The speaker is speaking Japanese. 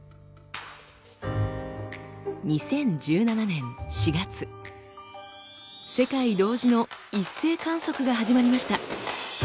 ２０１７年４月世界同時の一斉観測が始まりました。